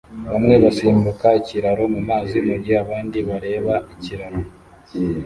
Bamwe basimbuka ikiraro mumazi mugihe abandi bareba ikiraro